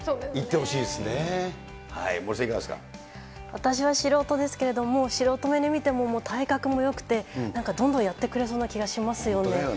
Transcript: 私は素人ですけれども、素人目に見ても、体格もよくて、なんかどんどんやってくれそうな気がしますよね。